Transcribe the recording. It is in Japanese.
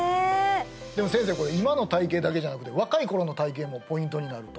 でも先生これ今の体形だけじゃなくて若い頃の体形もポイントになると？